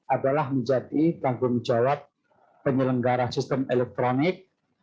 adalah menjadi tanggung jawab penyelenggara sistem elektronik